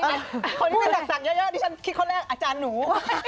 อันนี้มีแตกสั่งเยอะที่ฉันคิดคนแรกอาจารย์หนู